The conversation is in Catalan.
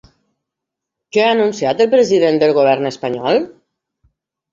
Què ha anunciat el president del govern espanyol?